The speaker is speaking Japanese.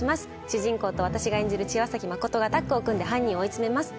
主人公と私が演じる千和崎真がタッグを組んで犯人を追い詰めます。